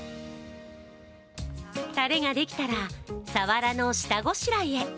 たれができたら、サワラの下ごしらえへ。